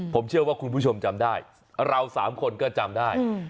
ผมเชื่อว่าคุณผู้ชมจำได้เราสามคนก็จำได้